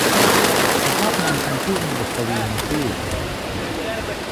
เขาชอบนำคำพูดในบทกวีมาพูด